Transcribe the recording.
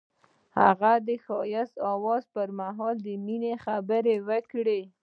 هغه د ښایسته اواز پر مهال د مینې خبرې وکړې.